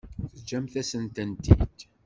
Teǧǧamt-asen-tent-id.